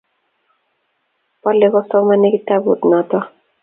Po ole kosomane kitabut nitok